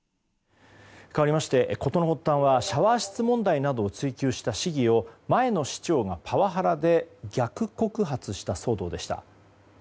かわりまして、事の発端はシャワー室問題などを追及した市議を前の市長がパワハラで逆告発した騒動でした。